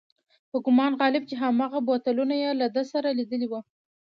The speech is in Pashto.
په ګومان غالب چې هماغه بوتلونه یې له ده سره لیدلي و.